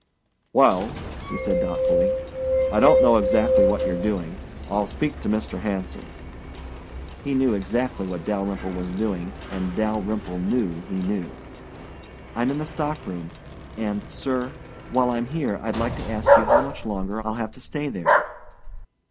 "Well," he said doubtfully, "I don't know exactly what you're doing. I'll speak to Mr. Hanson." He knew exactly what Dalyrimple was doing, and Dalyrimple knew he knew. "I'm in the stock room and, sir, while I'm here I'd like to ask you how much longer I'll have to stay there."